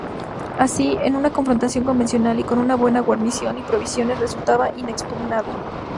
Así, en una confrontación convencional y con una buena guarnición y provisiones, resultaba inexpugnable.